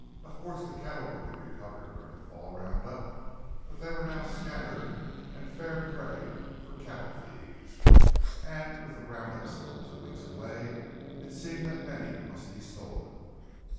Of course the cattle would be recovered during the fall round up, but they were now scattered and fair prey for cattle thieves, and with the round up still two weeks away it seemed that many must be stolen.